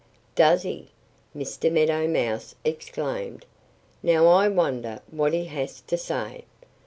"Does he?" Mr. Meadow Mouse exclaimed. "Now I wonder what he has to say!